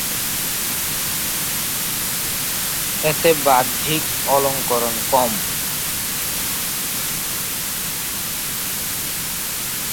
এতে বাহ্যিক অলংকরণ কম।